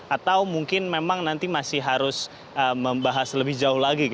atau mungkin memang nanti masih harus membahas lebih jauh lagi